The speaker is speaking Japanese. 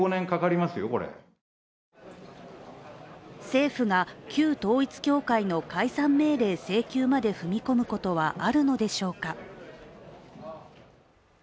政府が旧統一教会の解散命令請求まで踏み込むことはあるのでしょうか。